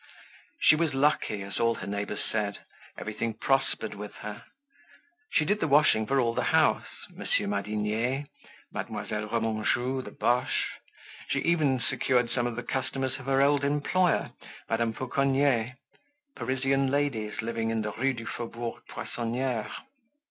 She was lucky as all her neighbors said; everything prospered with her. She did the washing for all the house—M. Madinier, Mademoiselle Remanjou, the Boches. She even secured some of the customers of her old employer, Madame Fauconnier, Parisian ladies living in the Rue du Faubourg Poissonniere.